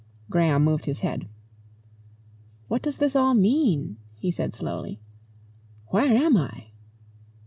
Graham moved his head. "What does this all mean?" he said slowly. "Where am I?"